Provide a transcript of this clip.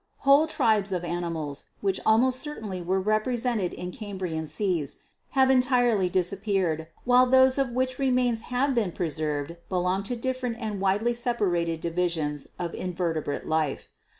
Whole tribes of animals, which almost certainly were represented in Cam brian seas, have entirely disappeared, while those of which remains have been preserved belong to different and widely separated divisions of invertebrate life.